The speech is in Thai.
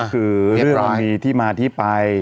คือเรามีที่มาที่ไป